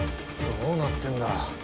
どうなってんだ？